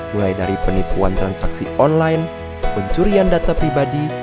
mulai dari penipuan transaksi online pencurian data pribadi